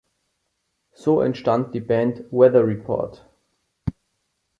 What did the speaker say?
Somit entstand die Band Weather Report.